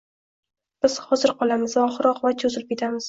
Biz hozir qolamiz va oxir-oqibat cho'zilib ketamiz"